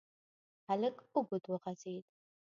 هلک اوږد وغځېد.